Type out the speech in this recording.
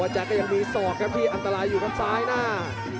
แจ๊กก็ยังมีศอกครับที่อันตรายอยู่ครับซ้ายหน้า